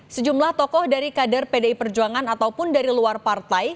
sejumlah tokoh dari kader pdi perjuangan ataupun dari luar partai